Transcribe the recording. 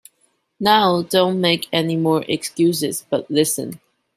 Now don’t make any more excuses, but listen!